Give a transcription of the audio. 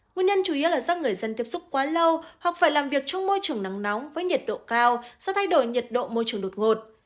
nguyên nhân chủ yếu là do người dân tiếp xúc quá lâu hoặc phải làm việc trong môi trường nắng nóng với nhiệt độ cao do thay đổi nhiệt độ môi trường đột ngột